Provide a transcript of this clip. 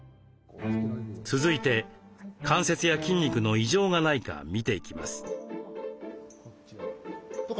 続いて関節や筋肉の異常がないか診ていきます。